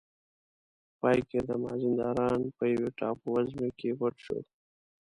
په پای کې د مازندران په یوې ټاپو وزمې کې پټ شو.